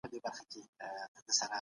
بې اتفاقه ټولنه ژر له منځه ځي.